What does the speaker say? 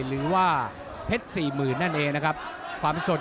หรือว่าผู้สุดท้ายมีสิงคลอยวิทยาหมูสะพานใหม่